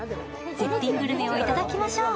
絶品グルメをいただきましょう。